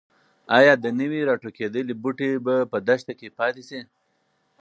ایا د نوي راټوکېدلي بوټي به په دښته کې پاتې شي؟